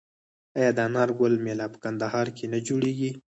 آیا د انار ګل میله په کندهار کې نه جوړیږي؟